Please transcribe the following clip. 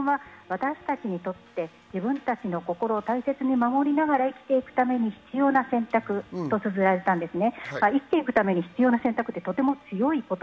結婚は私たちにとって自分たちの心を大切に守りながら生きていくために必要な選択とつづられたんですね。